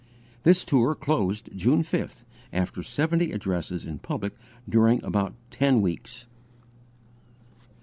This tour closed, June 5th, after seventy addresses in public, during about ten weeks.